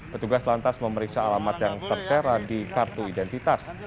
petugas lantas memeriksa alamat yang tertera di kartu identitas